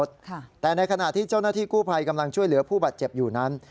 แต่ในขณะที่เจ้าหน้าที่กู้ภัยกำลังช่วยเหลือผู้บาดเจ็บอยู่นั้น